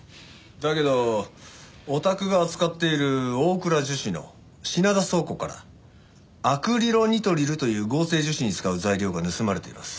だけどおたくが扱っているオークラ樹脂の品田倉庫からアクリロニトリルという合成樹脂に使う材料が盗まれています。